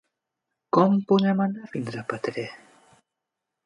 Com podem anar fins a Petrer?